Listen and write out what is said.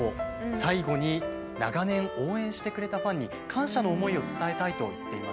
最後に長年応援してくれたファンに感謝の思いを伝えたいと言っていましたよね。